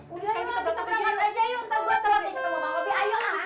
udah yuk kita berangkat aja yuk ntar gue telatin